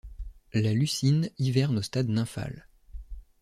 La Lucine hiverne au stade nymphal.